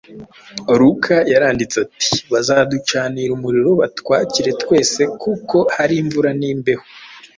Luka yaranditse ati: “Baducanira umuriro, batwakira twese, kuko hari imvura n’imbeho